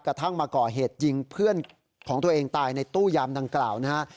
กระทั่งมาก่อเหตุยิงเพื่อนของตัวเองตายในตู้ยามดังกล่าวนะฮะ